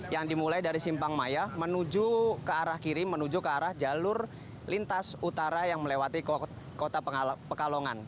yang dimulai dari simpang maya menuju ke arah kiri menuju ke arah jalur lintas utara yang melewati kota pekalongan